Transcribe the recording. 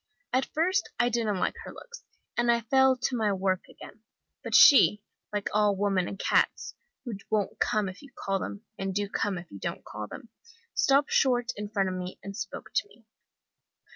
At first I didn't like her looks, and I fell to my work again. But she, like all women and cats, who won't come if you call them, and do come if you don't call them, stopped short in front of me, and spoke to me.